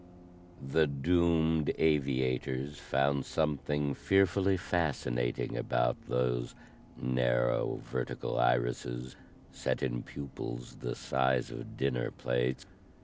The doomed aviators found something fearfully fascinating about those narrow vertical irises set in pupils the size of dinner plates.